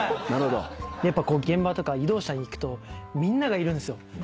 やっぱ現場とか移動車に行くとみんながいるんですよ。